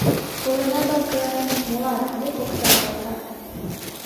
— Коленатак гын, молан — тек окса каласа.